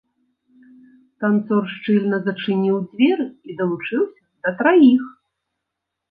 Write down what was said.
Танцор шчыльна зачыніў дзверы і далучыўся да траіх.